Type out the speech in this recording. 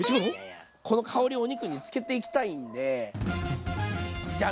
この香りをお肉につけていきたいんでジャン！